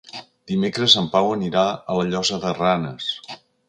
Dimecres en Pau anirà a la Llosa de Ranes.